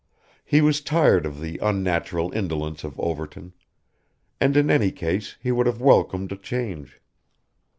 He was tired of the unnatural indolence of Overton, and in any case he would have welcomed a change.